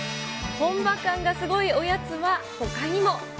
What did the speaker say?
本場感がすごいおやつは、ほかにも。